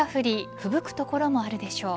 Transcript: ふぶく所もあるでしょう。